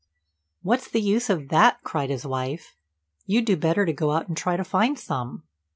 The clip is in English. "What's the use of that?" cried his wife. "You'd do better to go out and try to find some."